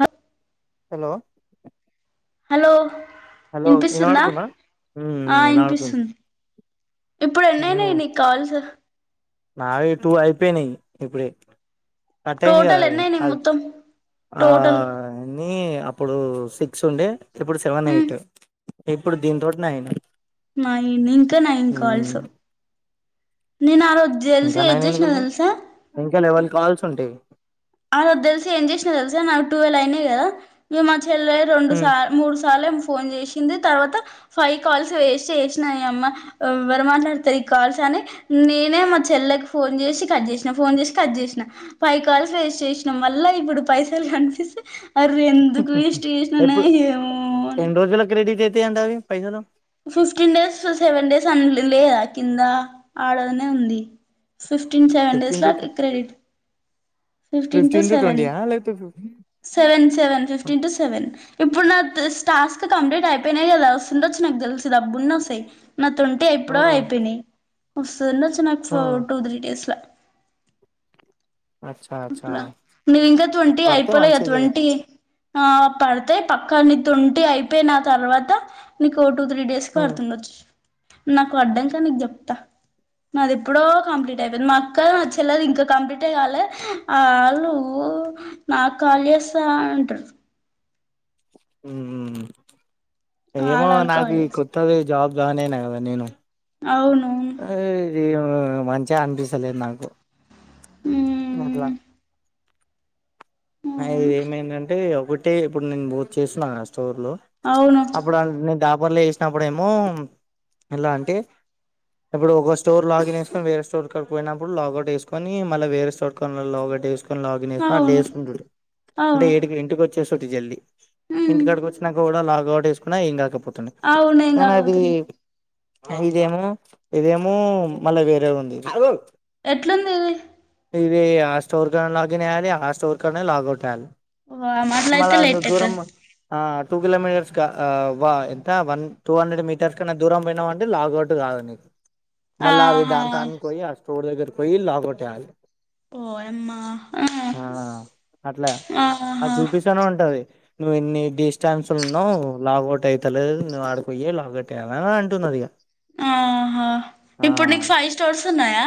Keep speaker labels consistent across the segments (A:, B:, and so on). A: Hatf
B: hello
A: hello
B: hello
A: వినిపిస్తుందా
B: వినపడుతుందా ఉమ్
A: ఆ
B: వినపడుతుంది
A: వినిపిస్తుంది ఇప్పుడు ఎన్నయినా
B: ఉమ్
A: నీకు కాల్స్
B: నావి టూ ఐపోయినయి ఇప్పుడే కట్ అయ్యింది కదా
A: టోటల్
B: అది
A: ఎన్నయినాయి
B: అవ్
A: మొత్తం
B: ఆ
A: టోటల్
B: ని అప్పుడు సిక్స్ ఉండే ఇప్పుడు సెవెన్ ఎయిట్ ఇప్పుడు దీన్తోటినే అయనా
A: నాయి ఇంకా నైన్ కాల్స్ నేను ఆ రోజు తెలిసి
B: ఇంకా
A: ఏది
B: నాయన్
A: చేసినా
B: ఎందుకుంటాయ్
A: తెలుసా
B: ఇంకా లేవన్ కాల్స్ ఉంటాయ్
A: ఆ వద్ తెల్సి ఏం చేసినా తెలుసా నాకు టువెల్వ్ అయినాయి కదా [unintelligible] చెల్లే రెండు సా
B: ఉమ్
A: మూడు సార్ లే ఫోన్ చేసింది తర్వాత ఫైవ్ కాల్స్ వేస్ట్ చేస్నై అమ్మ ఎరరు మాట్లాడితే ఈ కాల్స్ నేనే మా చెల్లకు ఫోన్ చేసి కట్ చేసిన ఫోన్ చేసి కట్ చేసిన ఫైవ్ కాల్స్ వె చేసినం వల్ల ఇప్పుడు పైసలు కనిపిస్తే మరి ఎందుకు వెస్ట్ చేసిన
B: ఎప్పుడు
A: ఏమో అని
B: ఎన్ని రోజుల క్రెడిట్ అయితాయి అంట అవి పైసలు
A: ఫిఫ్టీన్ డేస్ సెవెన్ డేస్ అ లేదా కింద ఆడనే ఉంది ఫిఫ్టీన్ సెవెన్ డేస్
B: ఫిఫ్టీన్
A: లా
B: to
A: credit fifteen to
B: fifteen
A: seven
B: twenty ఆ లేకపోతే fifty?
A: Seven seven fifteen టటు seven ఇప్పుడు నా టాస్క్ కంప్లీట్ అయిపోయినాయి కదా వస్తుంద వచ్చి నాకు తెలిసు డబ్బున్న వస్తాయ్ నా తొంటే
B: ఆ
A: ఎప్పుడో అయిపోయినాయి వస్తుందండి వచ్చి నాకు ఫ
B: ఆ
A: టూ త్రీ డేస్లో
B: అచ్చా అచ్చా
A: అట్లా నీవ్ ఇంకా ట్వంటీ
B: పడితే
A: అయిపోలే
B: మంచిదే
A: ట్వంటీ ఆ పడతాయి పక్కా నీ తుంటి అయిపోయినా తర్వాత నీకు టూ త్రీ డేస్ కి
B: ఉమ్
A: ఆడ్తుండొచ్చు నాకు అడ్డా కా నీకు చెప్తా నాది ఎప్పుడో కంప్లీట్ అయిపోయింది మా అక్క చెల్లది ఇంకా కంప్లీట్యే కాలే ఆ వాళ్ళు నా కాల్ చేస్తా అంటారు
B: హ్మ్ ఏమో
A: ఆళ్ళు ఆళ్ళు
B: నాకు
A: కాల్
B: ఈ
A: చేస్
B: కొత్తది జాబ్ జాయిన్ అయినా కదా నేను
A: అవును
B: ఆ ఇది మంచిగా అనిపిస్తలేదు నాకు అట్లా
A: మ్మ్
B: మై
A: అవును
B: ఏమైందంటే ఒకటే ఇప్పుడు నేను బూక్ చేస్తున్న ోర్లు
A: అవును
B: అప్పుడు నే పర్లు వేసినప్పుడు ఏమో ఎలా అంటే ఇప్పుడు ఒక స్టోర్ లాగిన్ేసుకని వే స్టోర్క్కకి పోయినప్పుడు లాగౌట్ వేకని మళ్ళ వే స్టట్ లాగట్ వేసుకని ని అట్లా
A: అవును
B: వేసుకుంటుడు అంటే
A: అవును
B: ఇంటికి వచ్చే జల్ీ
A: మ్మ్
B: ఇంటికాడికి వచ్చినాక కూడా లాగవుట్ వేసుకున్నా ఇం కాకపో పోతుంది
A: అవును ఏం
B: కానీ అది
A: కాకపోతుంది
B: ఇదేమో ఇదేమో మళ్ళా వేరే ఉంది
A: ఎట్లుందిది
B: ఇవి ఆ స్టోర్ కనే లాగిన్ అయ్యాలి ఆ స్టోర్ కనే లాగౌట్యాలి
A: వామ్మో అట్లయితే
B: మళ
A: లేట్
B: దూరం
A: అయితది
B: ఆ టూ కిలోమీటర్స్ ఎంత వన్ టూ హండ్రెడ్ మీటర్స్ క దూరం పోయినావాంటడి లాగౌట్గా మళ్ళీ అ
A: ఆహా
B: దాని తానికి పోయి ఆ స్టోర్ దగ్గర పోయి లాగొట్ేయాలి
A: ఓ అమ్మా
B: అట్లా అ చూపిస్తనే ఉంటది నువ్వు ఎన్ని డిస్టాన్స్లు ఉన్నావు లాగౌట్ అయితలేదు నువ్ ఆడిపోయ లాగౌట్ అయ్యాాల అని అంటున్నారుది ఇక
A: ఆహా
B: ఆ
A: ఇప్పుడు నీకు ఫైవ్ స్టోర్స్ ఉన్నాయా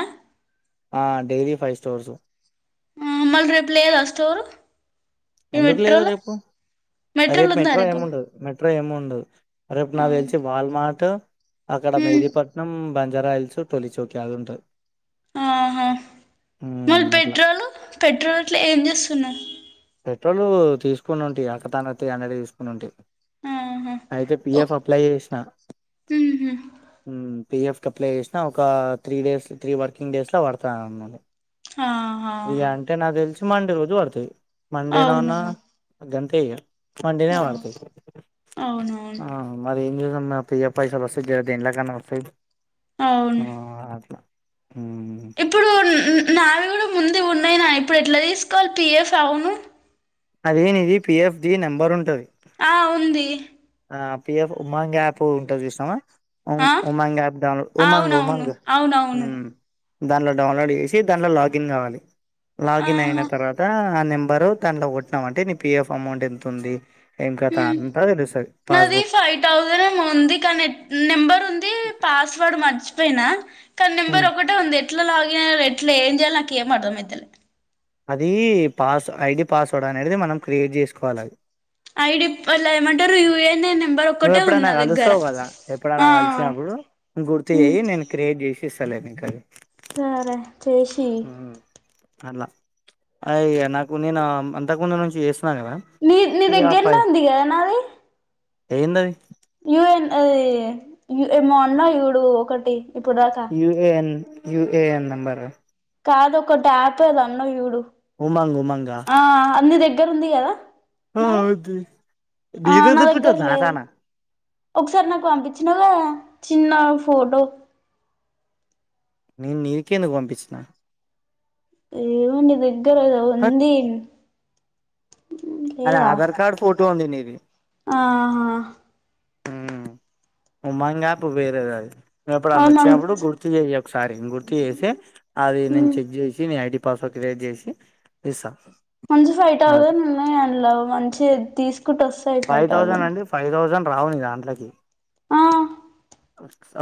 B: ఆ డైలీ ఫైవ్ స్టోర్సు
A: అ మల్ రేపు లేద స్ోరు
B: ఎందుకు లేదు అేపు అరే
A: మెట్రోలో ఉందా
B: మెట్రో
A: రేపు
B: అయమదు మె ఏమిండదు రేపు
A: ఆ
B: నా తెలిసి వాల్మాట్ అక్కడ
A: మ్మ్
B: మెదీపట్నం జరాయల్స్ టొలి చోకకి అదం
A: ఆహా మళ్ళీ
B: అట్లా
A: పెట్రోలు పెట్రోల్ అట్లా ఏం చేస్తున్నా
B: పెట్రోల్ తీసుకుొని ఉంటయి అకతన అండ తీసుకుని ఉంటాయి
A: ఆహా
B: అయితే పి
A: ఉ-
B: ఎఫ్ అప్లై చేసినా
A: ఉహు
B: ఉమ్ పి ఎఫ్ కు అప్లై చేసినా ఒక three days three working days ల పడతాయి అన్నాడు
A: ఆహా
B: మండే రోజు పడుతయి మండే
A: అవును
B: నా గంతే ఇగ మండినే
A: అవు
B: పడతాయి
A: అవునవును
B: ఆ మరి [inaudible] నా పి యఫ్ పైసలు వస్తే జర దీన్లకన్నా వస్తాయి
A: అవున్
B: ఆ అట్లా మ్మ్
A: ఇప్పుడు నావి కూడా ముందు ఉన్నాయి నాయి ఇప్పుడు ఎట్లా తీసుకోవాలి పి ఎఫ్ అవును
B: అది నీది పి ఎఫ్ ది నెంబర్ ఉంటది
A: ఆ ఉంది
B: ఆ పి ఎఫ్ ఉమాంగ్ యాప్ ఉంటాది చూసినావా ఉం
A: ఆ
B: ఉమాంగ్ యాప్ డౌన్లో ఉమాంగ్
A: అవునవును
B: ఉమాంగ్
A: అవునవును
B: ఉమ్ దానిలో డౌన్లోడ్ చేసి దానిలో లాగిన్ కావాలి లాగిన్ అయిన
A: ఆహా
B: తర్వాత ఆ నెంబరు దాంట్లో కొట్టినాం అంటే నీ పి ఎఫ్ అమౌంట్ ఎంతుంది ఏం కత
A: ఉమ్.
B: అంతా తెలుస్
A: నాది ఫైవ్ థౌజస్ ఏమో ఉంది కనెక్ నెంబర్ ఉంది పాస్వర్డ్ మర్చి పోయినా కానీ నెంబర్
B: ఉమ్
A: ఒకటే ఉంది ఎట్లా లాగిన్ [inaudible] ఎట్లా ఏం చేయాలో నాకు ఏం అర్థం అయితేలే
B: అది పాస్ ఐ డి పాస్వర్డ్ అనేటిది మనం క్రియేట్ చేసుకోవాలి అది
A: ఐ డి పల్ ఏమంటారు యూ ఎన్ ఏ నం
B: నువ్ ఎప్పుడైనా కలుస్తావు కదా ఎప్పుడైనా
A: ఆ
B: కలిసినప్పుడు గుర్తు
A: ఉమ్
B: చెయ్యి నేను క్రియేట్ చేసిస్ తాలే నీకు అది
A: సరే చేషి
B: అలా అయి నాకు నేను అంతకుముందు నుంచి చేస్ ప్నా గదా
A: నీ నీ
B: ఇగ
A: దగ్గరనే
B: పై
A: ఉంది
B: ఏందవి
A: ఎన్ అది ఎమో అన్నా చూడు ఒకటి ఇప్పుడు దాకా
B: ఏఎన్ యూఏఎన్ నంబర్
A: కాదు ఒకటి యాపే అద్ అన్న చూడు
B: ఉమంగ్ ఉమంగా
A: ఆ నీ దగ్గర్ ఉంది కాద
B: ఆ ఉంది
A: ఆ నా దగ్గర లేదు ఒకసారి నాకు అంపించినగా చిన్న ఫోడో
B: నేన్ నీకేందుకు పంపించిన
A: ఏమో నీ దగ్గర
B: హట్
A: ఉంది
B: అది
A: లేదా
B: ఆధార్ కార్డ్ ఫోటో ఉంది నీది
A: ఆ
B: హ్మ్ ఉమంగాపు వేరేది అది మేము ఇప్పుడు
A: అ
B: ఆన్న వచ్చినప్పుడు
A: మంచి
B: గుర్తు చెయ్యక్ ఒకసారి గుర్తుచేసి అది నేను
A: ఉమ్
B: చెక్ చేసి నేను ఐడి పాస్వర్డ్ క్రియేట్ చేసి ఇస్తా
A: మంచి ఫైవ్
B: అది
A: థౌజండ్ ఉన్నాయి అండ్లో మంచి తీసుకుంట వస్తుంది
B: ఫైవ్ థౌజండ్ అండి ఫైవ్ థౌజండ్ రావ్ దాంట్లోకి
A: ఆ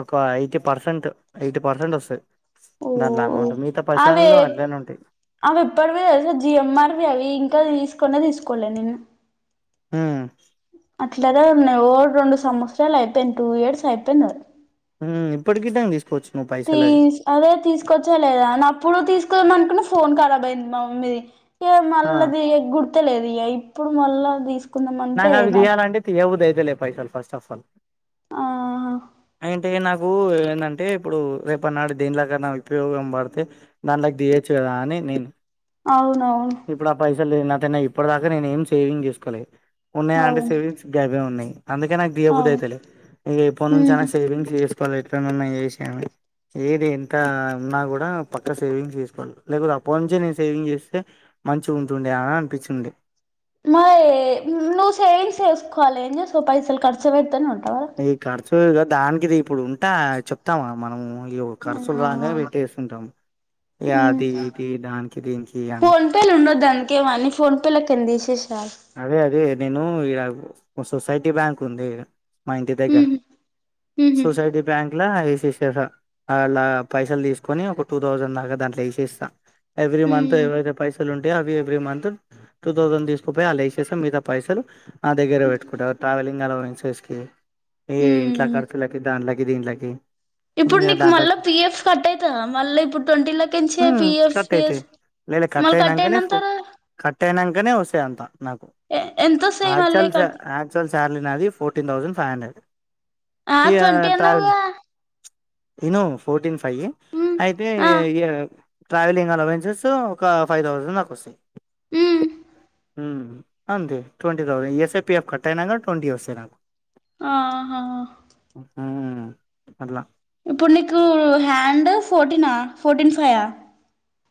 B: ఒక ఎయిటీ పర్సెంట్ ఎయిటీ పర్సెంట్ వస్థాయి
A: ఓ అవి
B: అట్లనే ఉంటాయి
A: అవి ఇప్పటివి తెల్సా జిఎంఆర్వి అవి ఇంకా తీసుకనే తీసుకోలే నేను
B: హ్మ్
A: అట్లదా ఉన్నాయ్ ఓ రెండు సంవత్సరాలు అయిపోయింది టూ ఇయర్స్ అయిపోయింది
B: హ్మ్ ఇప్పుటికి దాన్ తీస్
A: తీస్ అదే తీసుకొచ్చే లేదా నా ప్పుడు తీసుకు [inaudible] అనుకున్నా ఫోన్ ఖరాబ్ అయ్యింది మా మమ్మీది ఇగ
B: ఆ
A: మళ్ళది గుర్ త లేదు ఇ ఇప్పుడు మళ్ళా తీస్
B: నాకు అవి తీయాలంటే తియ్యబుది ఐతలే పైసలు ఫస్ట్ ఆఫ్ ఆల్
A: ఆహా
B: అంటే నాకు ఏందంటే ఇప్పుడు రేపటి నాడు దేనిలకన్నా ఉపయోగం పడితే దానిలకి దియ్యచ్చు కదా అని నేను
A: అవునవును
B: ఇప్పుడు ఆ పైసలు తిన తిన్నా ఇప్పటి దాకా నేను ఏం సేవింగ్ చేసుకోలే ఉన్నాయి అంటే
A: అవును
B: సేవింగ్స్ గగాబ ఉన్నాయి అందుకే నాకు దియ
A: అవును
B: బుద్యైతలే ఎనుంచినా
A: ఉహు
B: సేవింగ్స్ చే ఇప్పలు ఎట్లానే ఉన్నాయి వేసాము ఏది ఎంత ఉన్నా కూడా పక్క సేవింగ్స్ చేసుకోవాలి లేకపోతే అప్పటి నుంచే నేను సేవింగ్ చేస్తే మంచిగా ఉంటుండే అని అనిపించింది
A: మయ్ నువ్వు సేవింగ్ చేసుకోవాలిని ఎం చేస్తావ్ పైసలు ఖర్చు అవుతనే ఉంటు
B: ఈ ఖర్చుగాద దానికిది ఇప్పుడు ఉంటా చెప్తాం మనము కరచులు రాగానే
A: ఖర్చు
B: పెట్టేస్తుంటాము ఏ అది ఇది దానికి దీనికి ఇ అని
A: ఓకే అన్నీ ఫోన్ పే లెక్కన తీసేసారు
B: అదే అదే నేను ఇలా ఒక సొసైటీ బ్యాంక్ ఉంది మా ఇంటి దగ్గర సొసైటీ బ్యాంక్ల ఏసేసిన అలా పైసలు తీసుకొని ఒక టూ థౌసండ్ దాకా దాంట్లో యేసేసినా ఎవ్రీ మంత్ ఎవరైతే పైసలు ఉంటయో అవి ఎవ్రీ మంత్ టూ థౌసండ్ తీసుకుపోయి అలా వేసేసా మీద పైసలు నా దగ్గర పెట్టుకుంటారు ట్రావెలింగ్ సిస్కి ఈ ఇంట్లో ఖర్చులకి దాంలోకి దీంట్లోకి
A: ఇప్పుడు నీకు మళ్ళా పిఎఫ్స్ కట్ అవుతా మళ్ళీ ఇప్పుడు ట్వంటీ లక్ంచి పిఎఫ్స్ పిఎస్
B: లే లే కట్ట అయినాకనే ఫో కట్టయినా అందుకనే వస్తా అంత నాక్
A: ఎంత వస్తాయి మళ్ళీ
B: ఎచ్చాల్ శా
A: కట్
B: ఏచ్చాల్ శాలరీ నాదీ ఫొట్టిన్ తౌసండ్ ఫైవ్ హండ్రెడ్
A: ఆ
B: ఈ
A: ట్వంటీ
B: ట్రావెల్
A: అన్నావుగా
B: పోను ఫోర్టీన్ ఫైవ్ అయితే
A: ఆ
B: ట్రావెలింగ్ అలావెన్సెస్ ఒక ఫైవ్ థౌసండ్ దాక వస్తాయి
A: ఉ
B: ఊ అంతే ట్వంటీ తౌసండ్ ఈఎస్ఐ పిఎఫ్ కట్టయినా ట్వంటీ వస్తాయి నాకు
A: ఆహా
B: ఊహు అట్లా
A: ఇప్పుడున్నికు హ్యాండ్ ఫోర్టీనా ఫోర్టీన్ ఫై ఆ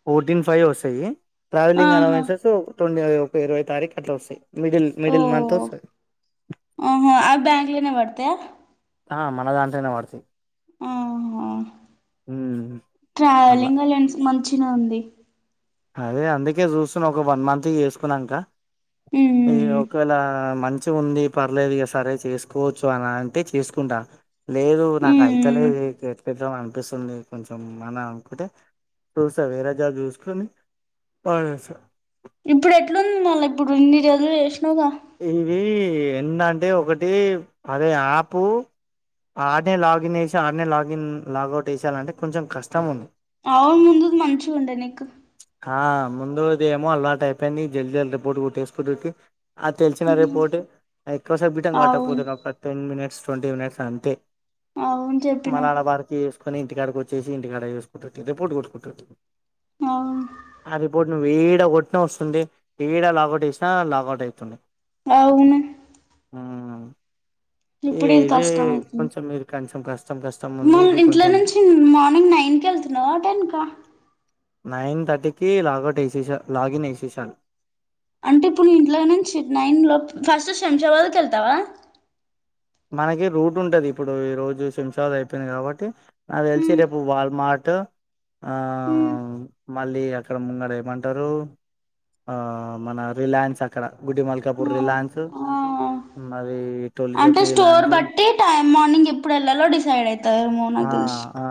B: ఫోర్టీన్ ఫైవ్ వస్తాయి ట్రావెలింగ్
A: ఆహా
B: అలవెన్సెస్ ఒక ట్వంటీ ఒక ఇరవై తారీఖు అట్లా వస్తాయి మిడిల్
A: ఓ
B: మిడిల్ మంత్ వస్తాయి
A: ఆహా అవి బ్యాంక్ లోనే పడతాయా
B: ఆ మన దాంట్లోనే పడతాయి
A: ఊహూ
B: ఉమ్, అట్లా
A: ట్రావెలింగ్ అలవెన్స్ మంచి ఆ ఉంది
B: అదే అందుకే చూస్తన్నా ఒక వన్ మంత్ చేసుకున్నాక ఈ
A: ఉమ్
B: ఒకవేళ మంచి చిన్నగా ఉంది పర్లేదు ఇక సరే చేసుకోవచ్చు అని అంటే చేసుకుంటా లేదు నాకు
A: ఉమ్
B: అయితలేదు కట్ పెట్టాం అంత చూస్తుంది కొంచెం మన అనుకుంటే చూసా వేరే జాబ్ చూసుకొని వాళ్లే సార్
A: ఇప్పుడు ఎట్లుంది మళ్ళా ఇప్పుడు ఇన్ని జడలు ఎసినవుగా
B: ఇవి ఎన్నంటే ఒకటి పదే ఆపు ఆడనే లాగిన్ వేసి ఆడనే లాగిన్ లాగౌట్ వేసాలంటే కొంచెం కష్టం ఉంది
A: అవును ముందు మంచిగా ఉండె నీకు
B: ముందఏమో అలాంట్ అపోయింది జల్ జల్ రిపోర్ట్ కొట్టేసుకుంనం ఆ తెలిసిన రేపోట్ ఎక్కువ సే బిట్టం
A: అవును
B: పట్టకపోతున్నా ఒక టెన్ మినిట్స్ ట్వంటీ మినిట్స్ అంతే
A: అవును చెప్పినావ్
B: మలాడ వారికి వేసుకొని ఇంటికాడకి వచ్చేసి ఇంటికాడ వేసుకుంటు రిపోర్ట్ కొట్టుకుంటాడు
A: అవును
B: వీడ కొట్న వస్తుంది ఇడ లాగౌట్ వేసినా లాగౌట్ అవుతుంది
A: అవువును
B: ఏ ఇదే కొంచెం మీరు కష్టం కష్టం
A: మీ
B: ఉంది ఇది
A: ఇంట్లో
B: కొంచెం
A: నుంచి మార్నింగ్ నైన్క్ వెళ్తున్నావా టెన్ క
B: నైన్ థర్టీకి లాగౌట్ ఏసేసా లాగిన్ ఏసేసాను
A: అంటే ఇప్పుడు ఇంట్లో నుంచి నైన్ లో ఫస్ట్ శంషాబాద్కి వెళ్తావా
B: మనకి రూట్ ఉంటది ఇప్పుడు ఈ రోజు సం చవా అయిపోయింది కాబట్టి నాకు తెలిసి
A: ఉమ్
B: రేపు వాల్మార్ట్ అట్ ఆ
A: ఉమ్
B: మళ్ళీ అక్కడ ముంగట ఏమంటారు ఆ మన రిలాయన్స్ అక్కడ గుడి మల్కాపూర్ రిలాయన్స్
A: ఆ ఆ
B: హ్మ్మ్ మరి ట్వా
A: అంటే స్టోర్ బట్టి టైం మార్నింగ్ ఎప్పుడు వెళ్ళలో డిసైడ్ అయి
B: ఆ ఆ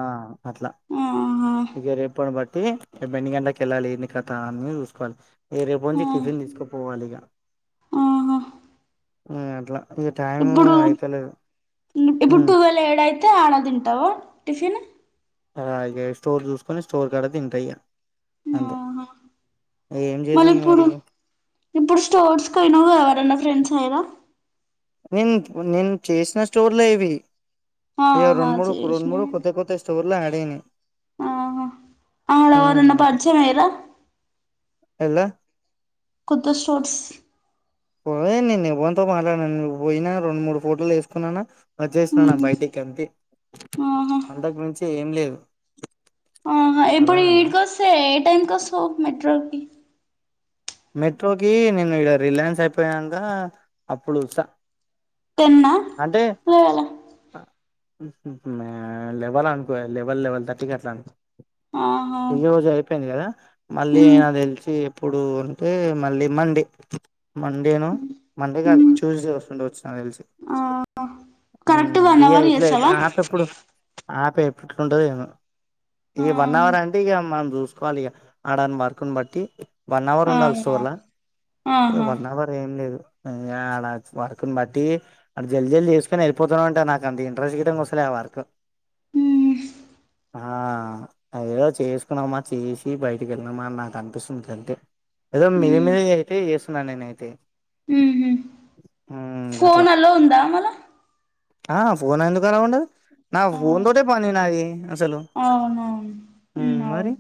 B: అట్లా
A: ఆహా
B: ఇగ రేపటి బట్టి రేపు ఎన్ని గంటకి వెళ్ళాలి ఏన్ని కదా అని చూసుకోవాలి మీ రేపటి
A: ఆ
B: నుంచి టిఫిన్ తీసుకుపోవాలి ఇక
A: ఆహా
B: అట్లా ఈ టైము
A: ఇప్పుడు
B: అయితలేదు
A: ఇప్పుడు
B: ఉమ్,
A: ట్వోవెల్ ఏడయితే ఆడ తింటావ టిఫిన్
B: అలాగే స్టోర్ చూసుకొని స్టోర్ కడ తింటా ఇగ
A: అవునా
B: ఏం
A: మళ్ళ
B: చేసాం మరి
A: ఇప్పుడు
B: ఇక?
A: ఇప్పుడు స్టోర్స్కియిన ఎవరన్నా ఫ్రెండ్స్ లేరా
B: నేను నేను చేసిన స్టోర్లో ఇవి ఇగ
A: ఆహా
B: రొండు మూడు రొండు
A: చేసిన
B: మూడు కొత్త స్టోర్ లు యాడ్ అయినాయి
A: ఆహా
B: ఉమ్,
A: అడఎవరన్న
B: అట్లా
A: పరిచయం అయినారా
B: ఎలా
A: కొత్త స్టోర్స్
B: ఏ నేను ఎవ్వనితో మాట్లాడనను పోయినా రెండు మూడు ఫోటోలు వేసుకున్నానా వచ్చేస్తున్నాన బయటికి అంతే
A: ఆహా
B: అంతకు మించి ఏం లేదు
A: ఆహా ఇప్పుడు
B: అర్థం అయిందా
A: ఈడికి వస్తే ఏ టైం కాస్తవ్ మెట్రోకి
B: మెట్రోకి నేను ఇగా రిలయన్స్ అయిపోయాక అప్పుడుస్త
A: టెన్ హా ఎలెవన్ హా
B: లెవెల్ అనుకో లేవెల్ లెవెల్ తటికట్లానుకో
A: ఆహా
B: ఈ రోజు అయిపోయింది కదా మళ్ళీ నాకు తెలిసిి ఎప్పుడు అంటే మళ్ళీ మండే మండేను మండే కాదు ట్యూస్డే వస్తుంటే వచ్చిన తెలిసి
A: ఆ కరెక్ట్ వన్
B: బి
A: అవర్
B: ఇట్లా
A: చేస్తావా
B: ఆప ఎప్పుడు ఆప ఎప్పుడుండదిను ఈ వన్
A: ఆహా
B: అవర్ అంటే ఇక మనం చూసుకోవాలి ఇక ఆడని మార్కుని బట్టి వన్ అవర్ ఉండాలి
A: ఆహా
B: సోల
A: ఆహా
B: వన్ అవర్ ఏం లేదు ఇం అడ వర్క్ని బట్టి అక్కడ జల్లి జల్లి చేసుకొని వెళ్ళిపోతున్నాం అంటే నాకు అంత ఇంట్రెస్ట్ గి కుసలేవాలి పార్కు
A: హుమ్మ్
B: ఆ ఏదో చేసుకున్నామా చేసి బయటికి వెళ్దామా నాకు అనిపిస్తుంది అంతే ఏదో మీద మీద అయితే చేస్తున్నాను నేను అయితే
A: ఉహు ఫోన్ అలో ఉందా మళ్ళ
B: ఆ ఫోన్ ఎందుకు అల్లో ఉండదు నా ఫోన్ తోటే పనీ నాయే అసలు
A: అవునవును
B: మరి
A: అవును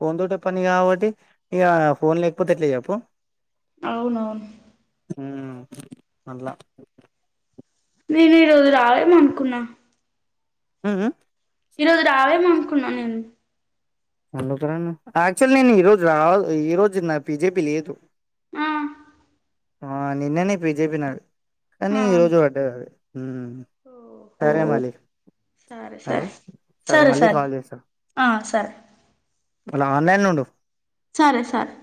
B: ఫోన్ తోటె పని కాబట్టి ఇక ఫోన్ లేకపోతే ఎట్లే చెప్పు
A: అవునవును
B: హ్మ్మ్ అల్లా
A: మీరు ఈరోోజు రారెమో అనుకున్నా
B: ఉ ఉ
A: ఈరోజు రావేమో అనుకున్నా నేను
B: అందుకు రాను యాక్చువల్ నేను ఈ రోజు రా ఈ రోజు నా పిజేపీ లేదు
A: ఆ
B: ఆ నిన్నేనే పిజేపి నాది కానీ
A: ఆ
B: ఈ రోజు పడ్డది అది ఉమ్
A: ఓహో
B: సరే మలి
A: సరే సరే సరే సరే
B: చేస్తా
A: ఆ సరే
B: అలా ఆన్లైన్లో ఉండు
A: సరే సరే